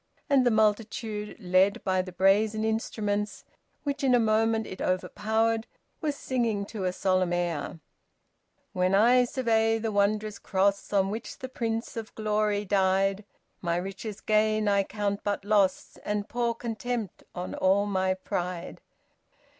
And the multitude, led by the brazen instruments, which in a moment it overpowered, was singing to a solemn air When I survey the wondrous cross On which the Prince of Glory died, My richest gain I count but loss, And pour contempt on all my pride.